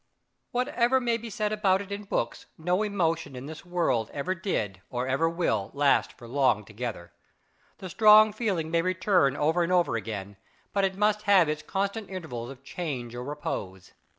Whatever may be said about it in books, no emotion in this world ever did, or ever will, last for long together. The strong feeling may return over and over again; but it must have its constant intervals of change or repose.